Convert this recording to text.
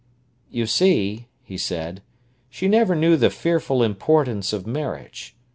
"You see," he said, "she never knew the fearful importance of marriage.